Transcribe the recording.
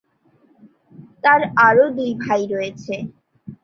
তার আরও দুই ভাই রয়েছে।